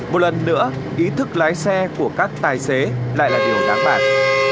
một lần nữa ý thức lái xe của các tài xế lại là điều đáng bản